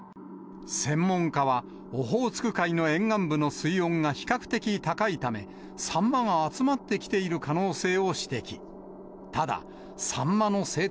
専門家は、オホーツク海の沿岸部の水温が比較的高いため、サンマが集まってきている可能性を指摘。